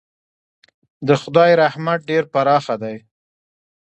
د خدای رحمت ډېر پراخه دی.